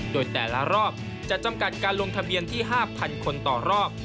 โดยแต่ละรอบจะจำกัดการลงทะเบียนที่๕๐๐คนต่อรอบ